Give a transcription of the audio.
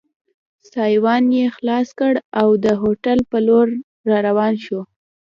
سایوان یې خلاص کړ او د هوټل په لور را روان شو.